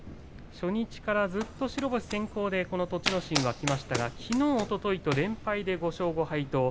初日からずっと白星先行で栃ノ心きましたがきのうおとといと連敗で５勝５敗。